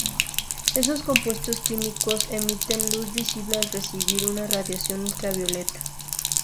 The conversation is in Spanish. Esos compuestos químicos emiten luz visible al recibir una radiación ultravioleta.